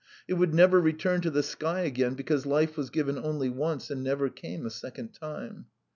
It would never return to the sky again, because life was given only once and never came a second time.